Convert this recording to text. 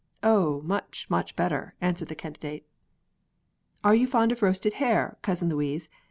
"Oh, much, much better," answered the Candidate. "Are you fond of roasted hare, Cousin Louise?"